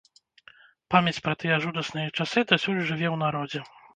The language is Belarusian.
Памяць пра тыя жудасныя часы дасюль жыве ў народзе.